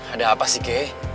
ada apa sih kei